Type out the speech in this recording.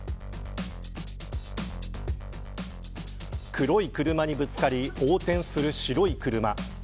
黒い車にぶつかり横転する白い車。